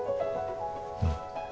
うん。